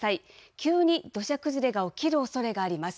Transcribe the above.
急に土砂崩れが起きるおそれがあります。